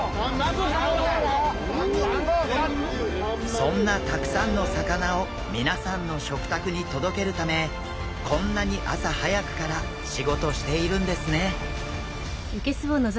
そんなたくさんの魚を皆さんの食卓に届けるためこんなに朝早くから仕事しているんですね。